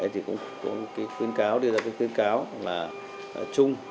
đưa ra một khuyến cáo chung